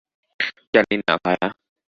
জানি না, ভায়া।